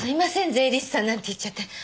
税理士さんなんて言っちゃって。